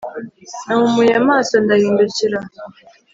nahumuye amaso, ndahindukira